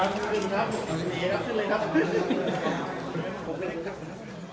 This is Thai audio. โปรดติดตามตอนต่อไป